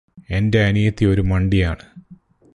എന്റെ അനിയത്തി ഒരു മണ്ടിയാണ്